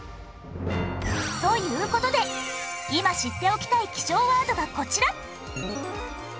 という事で今知っておきたい気象ワードがこちら。